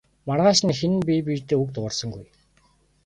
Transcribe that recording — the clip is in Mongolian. Маргааш нь хэн нь бие биедээ үг дуугарсангүй.